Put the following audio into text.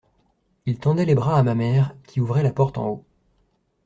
Il tendait les bras à ma mère, qui ouvrait la porte en haut.